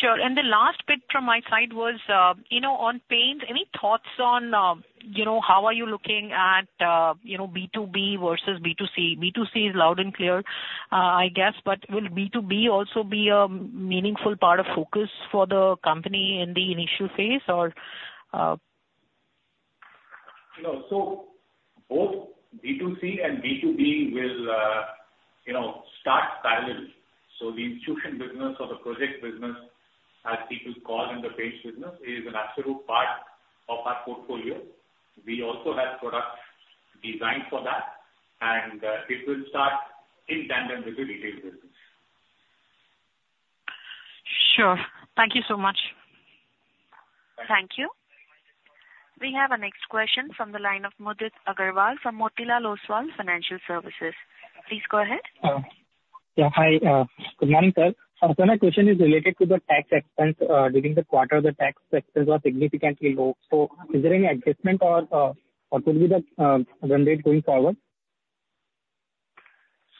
Sure. The last bit from my side was, you know, on paints, any thoughts on, you know, how are you looking at, you know, B2B versus B2C? B2C is loud and clear, I guess. Will B2B also be a meaningful part of focus for the company in the initial phase, or? No. Both B2C and B2B will, you know, start parallel. The institution business or the project business, as people call it, in the paints business, is an absolute part of our portfolio. We also have products designed for that. It will start in tandem with the retail business. Sure. Thank you so much. Thank you. We have a next question from the line of Mudit Agarwal from Motilal Oswal Financial Services. Please go ahead. Yeah. Hi. Good morning, sir. My question is related to the tax expense. During the quarter, the tax expense was significantly low. Is there any adjustment or, or could be the run rate going forward?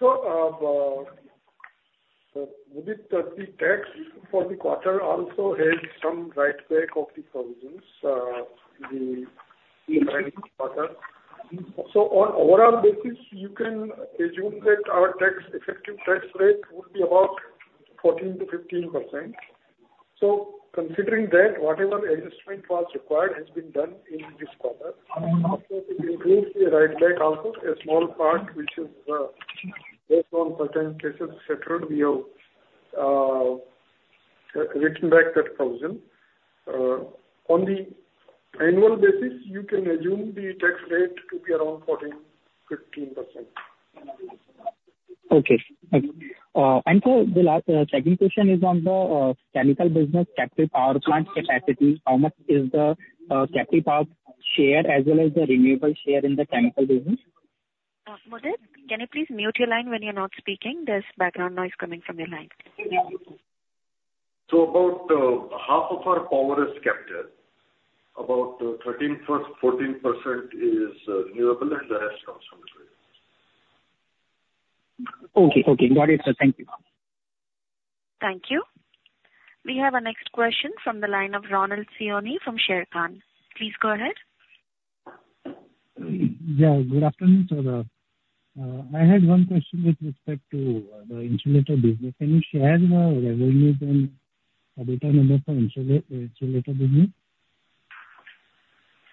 Mudit, the tax for the quarter also has some write-back of the provisions, the current quarter. On overall basis, you can assume that our effective tax rate would be about 14%-15%. Considering that, whatever adjustment was required has been done in this quarter. Of course, it includes the write back also, a small part, which is, based on certain cases, etc., we have, written back that provision. On the annual basis, you can assume the tax rate to be around 14%-15%. Okay. Okay. Sir, the last, second question is on the, chemical business, captive power plant capacity. How much is the, captive power share as well as the renewable share in the chemical business? Mudit, can you please mute your line when you're not speaking? There's background noise coming from your line. About, half of our power is captive. About, 13%-14% is, renewable, and the rest comes from the grid. Okay. Okay. Got it, sir. Thank you. Thank you. We have a next question from the line of Ronald Siyoni from Sharekhan. Please go ahead. Yeah. Good afternoon, sir. I had one question with respect to the Insulator business. Can you share the revenues and EBITDA number for Insulator business?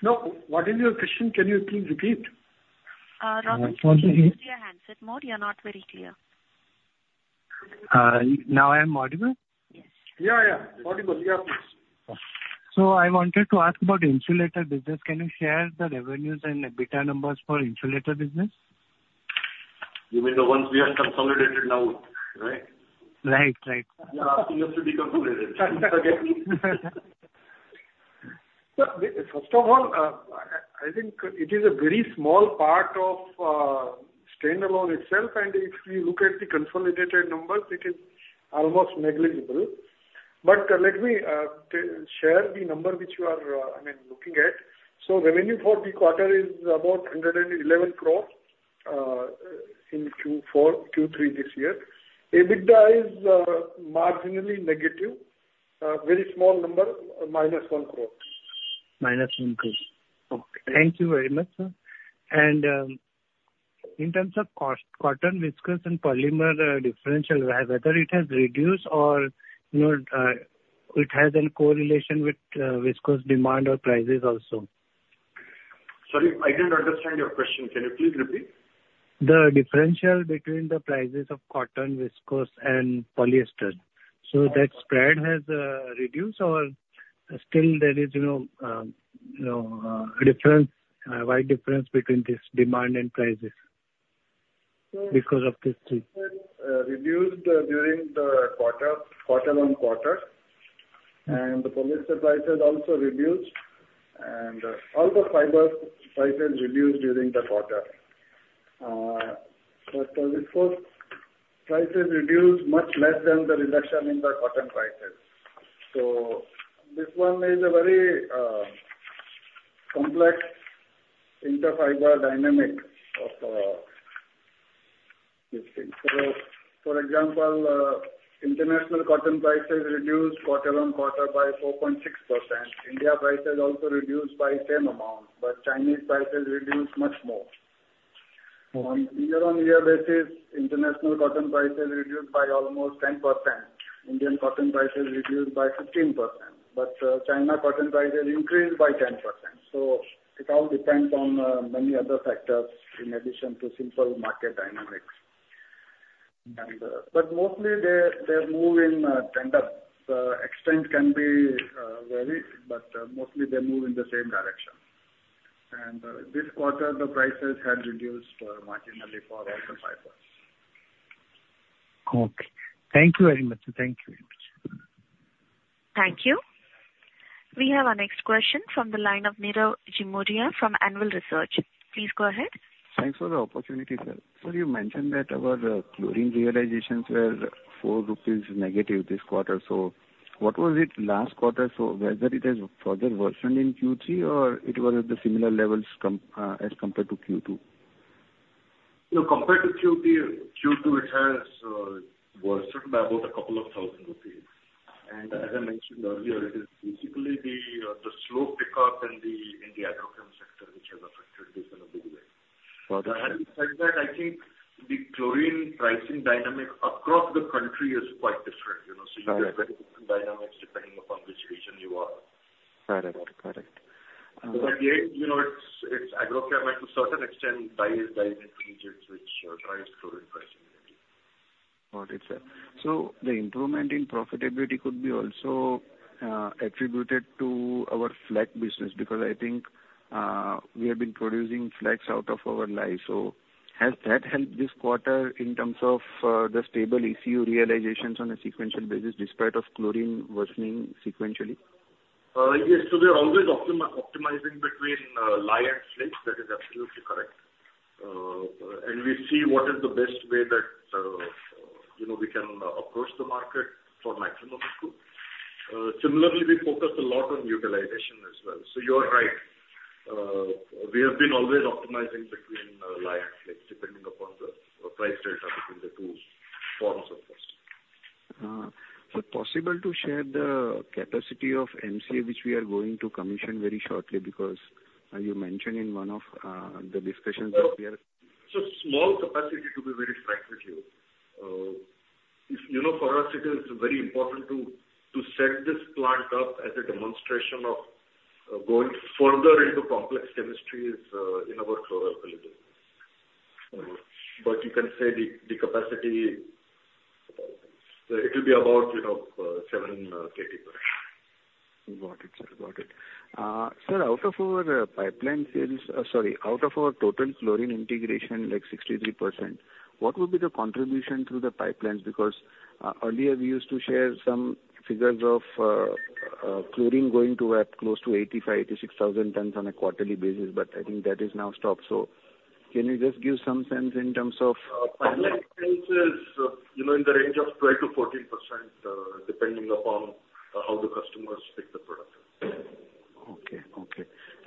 No. What is your question? Can you please repeat? Ronald, can you please use your handset? You're not very clear. Now I am audible? Yes. Yeah. Yeah. Audible. Yeah, please. I wanted to ask about Insulator business. Can you share the revenues and EBITDA numbers for Insulator business? You mean the ones we have consolidated now, right? Right. Right. You're asking us to be consolidated. Again. First of all, I think it is a very small part of standalone itself. If you look at the consolidated numbers, it is almost negligible. But let me share the number which you are, I mean, looking at. Revenue for the quarter is about 111 crore, in Q4, Q3 this year. EBITDA is marginally negative, very small number, -1 crore. -1 crore. Okay. Thank you very much, sir. In terms of cost, cotton, viscose, and polymer differential, whether it has reduced or, you know, it has any correlation with viscose demand or prices also? Sorry. I didn't understand your question. Can you please repeat? The differential between the prices of cotton, viscose, and polyester. That spread has reduced, or still there is, you know, you know, a difference, wide difference between this demand and prices because of these three? Reduced during the quarter, quarter-on-quarter. The polyester price has also reduced. All the fiber price has reduced during the quarter. Viscose price has reduced much less than the reduction in the cotton prices. This one is a very complex interfiber dynamic of this thing. For example, international cotton price has reduced quarter-on-quarter by 4.6%. India price has also reduced by the same amount. Chinese price has reduced much more. On year-on-year basis, international cotton price has reduced by almost 10%. Indian cotton price has reduced by 15%. China cotton price has increased by 10%. It all depends on many other factors in addition to simple market dynamics. Mostly, they're moving in tandem. The extent can vary, but mostly, they move in the same direction. This quarter, the prices have reduced marginally for all the fibers. Okay. Thank you very much, sir. Thank you very much. Thank you. We have a next question from the line of Nirav Jimudia from Anvil Research. Please go ahead. Thanks for the opportunity, sir. Sir, you mentioned that our chlorine realizations were -4 rupees this quarter. What was it last quarter? Whether it has further worsened in Q3, or it was at the similar levels comp as compared to Q2? No. Compared to Q3, Q2, it has worsened by about 2,000 rupees. As I mentioned earlier, it is basically the slow pickup in the agrochem sector, which has affected this in a big way. Having said that, I think the chlorine pricing dynamic across the country is quite different, you know? You get very different dynamics depending upon which region you are. Got it. Got it. Again, you know, it's agrochem, and to a certain extent, dyes and dye intermediates, which drives chlorine pricing negative. Got it, sir. The improvement in profitability could be also attributed to our flakes business because I think we have been producing flakes out of our lye. Has that helped this quarter in terms of the stable ECU realizations on a sequential basis despite chlorine worsening sequentially? Yes. We are always optimizing between lye and flakes. That is absolutely correct. We see what is the best way that, you know, we can approach the market for maximum scope. Similarly, we focus a lot on utilization as well. You are right. We have been always optimizing between lye and flakes depending upon the price delta between the two forms of caustic. Is it possible to share the capacity of MCA, which we are going to commission very shortly because you mentioned in one of the discussions that we are? Small capacity, to be very frank with you. If you know, for us, it is very important to set this plant up as a demonstration of going further into complex chemistry in our chlorine business. You can say the capacity it will be about, you know, 7 KT per annum. Got it, sir. Got it. Sir, out of our pipeline sales sorry. Out of our total chlorine integration, like 63%, what would be the contribution through the pipelines? Because earlier, we used to share some figures of chlorine going up close to 85,000 tons-86,000 tons on a quarterly basis. I think that has now stopped. So can you just give some sense in terms of pipelines? Pipeline sense is, you know, in the range of 12%-14%, depending upon how the customers pick the product. Okay. Okay.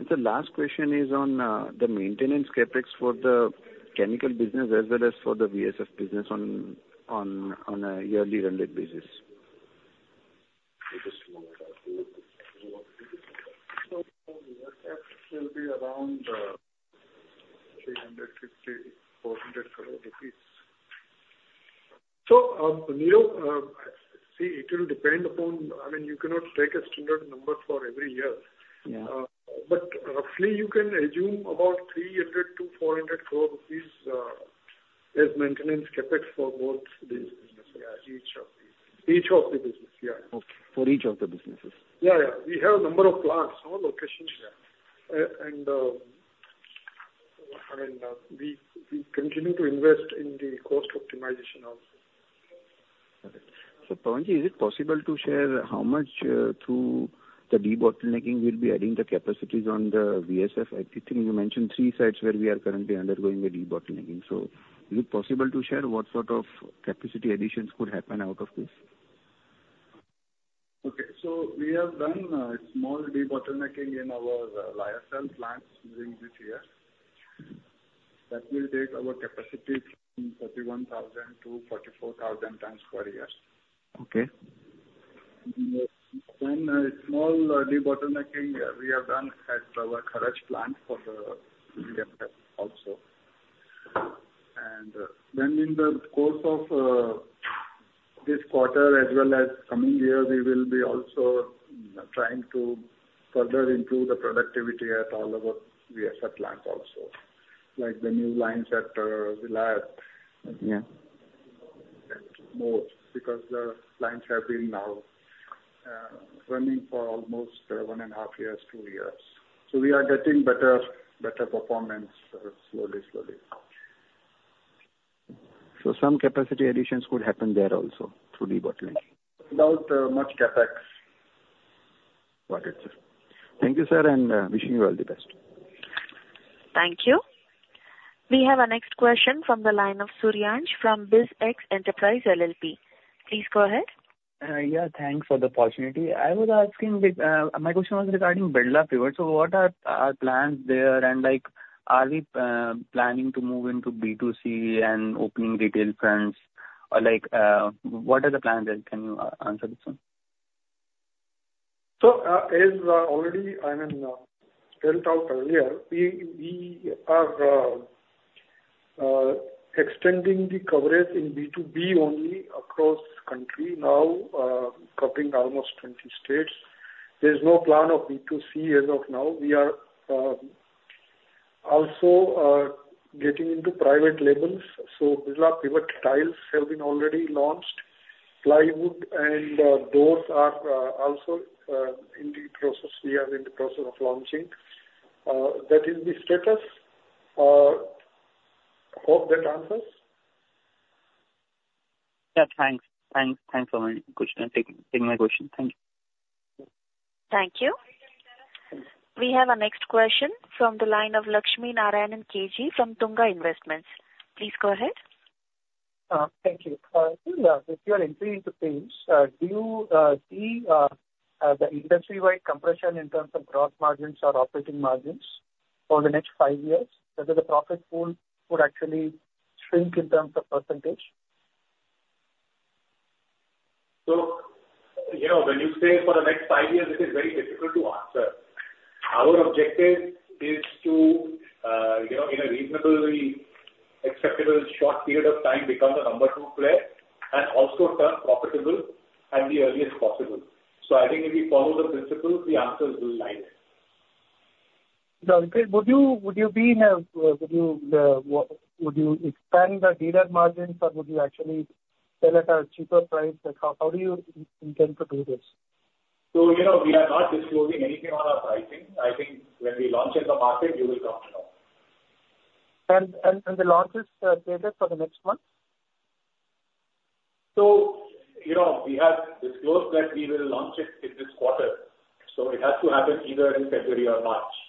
Sir, last question is on the maintenance CapEx for the chemical business as well as for the VSF business on a yearly run rate basis? Give us a moment. I'll do it. VSF will be around 350-400 crore rupees. Nirav, I see it will depend upon I mean, you cannot take a standard number for every year. Yeah. Roughly, you can assume about 300 crore- 400 crore rupees, as maintenance CapEx for both these businesses. Yeah. Each of the businesses. Yeah. Okay. For each of the businesses? Yeah. Yeah. We have a number of plants, all locations. Yeah. I mean, we continue to invest in the cost optimization of. Got it. Pavan Jain, is it possible to share how much, through the debottlenecking, we'll be adding the capacities on the VSF? I think you mentioned three sites where we are currently undergoing the debottlenecking. Is it possible to share what sort of capacity additions could happen out of this? Okay. We have done small debottlenecking in our lyocell plant during this year. That will take our capacity from 31,000 tons-44,000 tons per year. Okay. Then, small debottlenecking we have done at our Kharach plant for the VSF also. Then in the course of this quarter as well as coming year, we will also be trying to further improve the productivity at all of our VSF plants also, like the new lines at Vilayat. Yeah. More because the lines have been now running for almost 1.5 years, 2 years. We are getting better, better performance, slowly, slowly. Some capacity additions could happen there also through debottlenecking? Without much CapEx. Got it, sir. Thank you, sir, and wishing you all the best. Thank you. We have a next question from the line of Suryansh from BizX Enterprise LLP. Please go ahead. Yeah. Thanks for the opportunity. I was asking big; my question was regarding Birla Pivot. What are the plans there? Like, are we planning to move into B2C and opening retail fronts? Or, like, what are the plans there? Can you answer this one? As already I mean dealt out earlier, we are extending the coverage in B2B only across the country now, covering almost 20 states. There's no plan of B2C as of now. We are also getting into private labels. Birla Pivot tiles have been already launched. Plywood and doors are also in the process. We are in the process of launching. That is the status. Hope that answers. Yeah. Thanks. Thanks. Thanks for my question. Taking my question. Thank you. Thank you. We have a next question from the line of Lakshminarayanan K G from Tunga Investments. Please go ahead. Thank you. If you are entering into paints, do you see the industry-wide compression in terms of gross margins or operating margins for the next five years? Whether the profit pool would actually shrink in terms of percentage? You know, when you say for the next five years, it is very difficult to answer. Our objective is to, you know, in a reasonably acceptable short period of time, become the number two player and also turn profitable at the earliest possible. I think if we follow the principles, the answers will lie there. Now, would you expand the dealer margins, or would you actually sell at a cheaper price? Like, how do you intend to do this? You know, we are not disclosing anything on our pricing. I think when we launch in the market, you will come to know. The launch is dated for the next month? You know, we have disclosed that we will launch it in this quarter. It has to happen either in February or March.